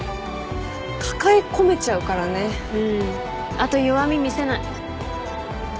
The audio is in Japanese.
あと弱み見せない。